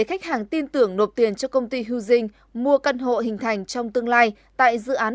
khách hàng tin tưởng nộp tiền cho công ty hujing mua căn hộ hình thành trong tương lai tại dự án